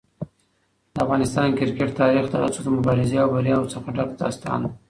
د افغانستان کرکټ تاریخ د هڅو، مبارزې او بریاوو څخه ډک داستان دی.